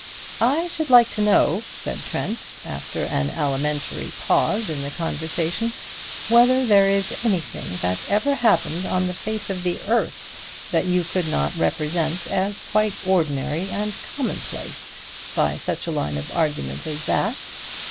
"I should like to know," said Trent after an alimentary pause in the conversation, "whether there is anything that ever happened on the face of the earth that you could not represent as quite ordinary and commonplace, by such a line of argument as that.